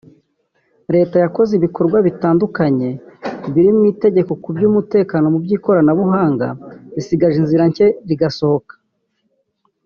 Leta yakoze ibikorw abitandukanye birimo itegeko ku by’umutekano mu by’ikoranabuhanga risigaje inzira nke rigasohoka